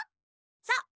そう。